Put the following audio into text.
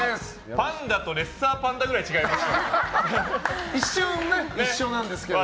パンダとレッサーパンダくらい違いますけど。